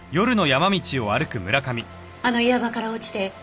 あの岩場から落ちて。